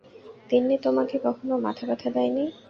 তিন্নি তোমাকে কখনো মাথাব্যথা দেয় নি?